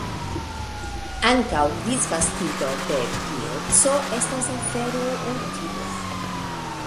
Ankaŭ disvastigo de pieco estas afero utila.